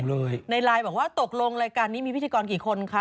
ในไลน์บอกว่าตกลงรายการนี้มีพิธีกรกี่คนคะ